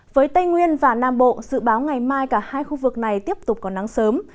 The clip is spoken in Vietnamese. với tây nguyên và nam bộ dự báo ngày mai cả hai khu vực này tiếp tục có nắng sớm